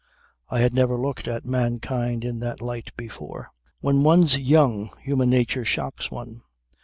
I had never looked at mankind in that light before. When one's young human nature shocks one.